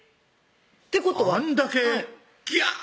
ってことはあんだけ「ギャー！」